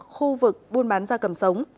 khu vực buôn bán da cầm sống